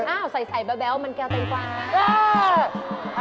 อ้าวใส่แบ๊วมันแก้วสายฟ้า